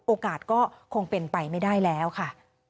โอกาสก็คงเป็นไปไม่ได้แล้วค่ะ